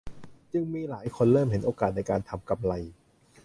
จึงมีหลายคนเริ่มเห็นโอกาสในการทำกำไร